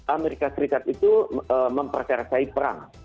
amerika serikat itu memperserasai perang